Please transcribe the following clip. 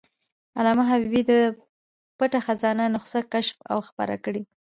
علامه حبیبي د "پټه خزانه" نسخه کشف او خپره کړه.